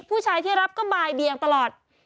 ผู้ชายที่รับก็บ่ายเบียงตลอด